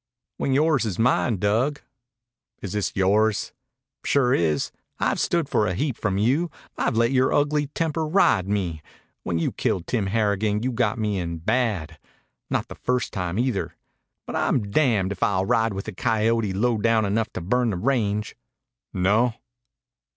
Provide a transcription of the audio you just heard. "When yore's is mine, Dug." "Is this yore's?" "Sure is. I've stood for a heap from you. I've let yore ugly temper ride me. When you killed Tim Harrigan you got me in bad. Not the first time either. But I'm damned if I'll ride with a coyote low down enough to burn the range." "No?"